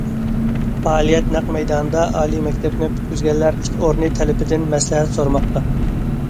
پائالىيەت نەق مەيدانىدا، ئالىي مەكتەپنى پۈتكۈزگەنلەر ئىش ئورنى تەلىپىدىن مەسلىھەت سورىماقتا.